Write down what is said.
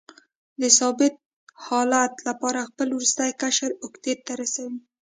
د ثابت حالت لپاره خپل وروستی قشر اوکتیت ته رسوي.